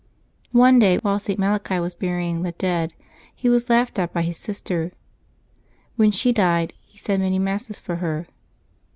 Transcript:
One day, while St. Malachi was burying the dead, he was laughed at by his sister. When she died, he said many Masses for her.